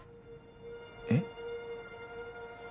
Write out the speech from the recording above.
えっ？